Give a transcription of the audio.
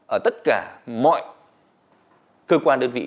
ở tất cả mọi cơ quan đơn vị